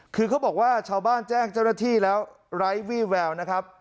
คือเขาบอกว่าชาวบ้านแจ้งเจ้าหน้าที่แล้วไร้วี่แววนะครับ